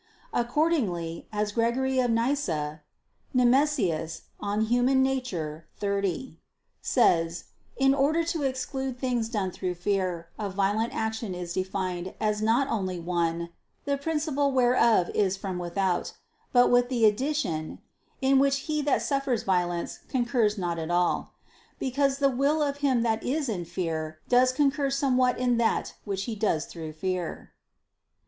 Accordingly, as Gregory of Nyssa [*Nemesius, De Nat. Hom. xxx.] says, in order to exclude things done through fear, a violent action is defined as not only one, "the princip[le] whereof is from without," but with the addition, "in which he that suffers violence concurs not at all"; because the will of him that is in fear, does concur somewhat in that which he does through fear.